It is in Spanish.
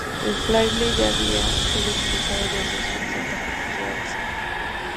El fraile ya había sido expulsado de Asunción y Santa Fe por ser agresivo.